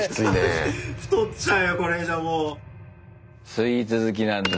スイーツ好きなんだ。